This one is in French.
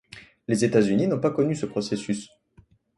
Les États-Unis n'ont pas connu ce processus.